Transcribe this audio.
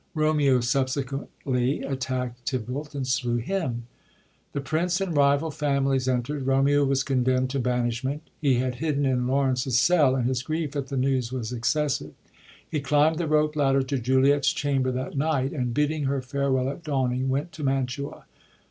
Romeo subsequently attackt Tybalt and slew him. The Prince and rival families enterd ; Romeo was con demnd to banishment. He had hidden in Laurence's cell, and his grief at the news was excessive. He climbd the rope ladder to Juliet's chamber that night, and bidding her farewell at dawning, went to Mantua.